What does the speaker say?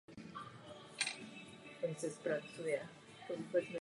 O den později spáchal Šlechta se svou ženou sebevraždu.